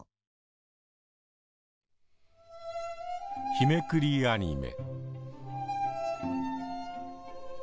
「日めくりアニメ」。